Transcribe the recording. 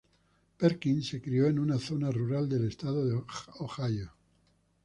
Perkins se crio en una zona rural del estado de Ohio.